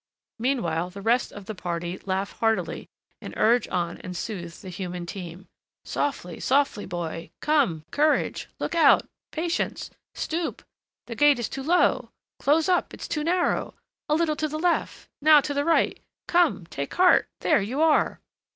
Meanwhile, the rest of the party laugh heartily and urge on and soothe the human team. "Softly! softly, boy! Come, courage! Look out! Patience! Stoop! The gate is too low! Close up, it's too narrow! a little to the left; now to the right! Come, take heart, there you are!"